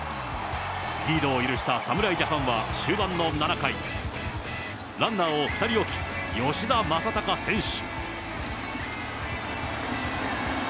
リードを許した侍ジャパンは終盤の７回、ランナーを２人置き、吉田正尚選手。